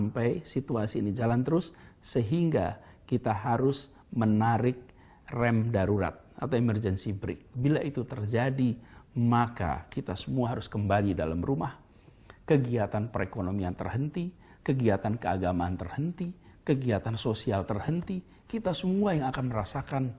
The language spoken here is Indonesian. bila situasi ini berjalan terus